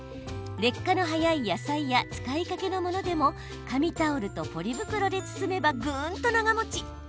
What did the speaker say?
劣化の早い野菜や使いかけのものでも紙タオルとポリ袋で包めばぐんと長もち。